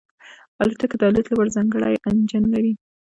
الوتکه د الوت لپاره ځانګړی انجن لري.